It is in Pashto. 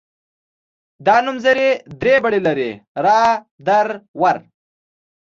دا نومځري درې بڼې لري را در ور.